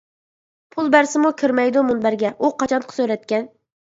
پۇل بەرسىمۇ كىرمەيدۇ مۇنبەرگە. ئۇ قاچانقى سۈرەتكەن.